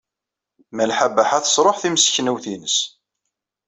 Malḥa Baḥa tesṛuḥ timseknewt-nnes.